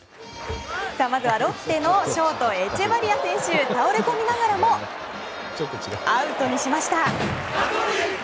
まずはロッテのショートエチェバリア選手倒れ込みながらもアウトにしました。